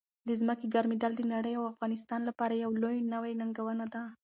د ځمکې ګرمېدل د نړۍ او افغانستان لپاره یو لوی نوي ننګونه ده.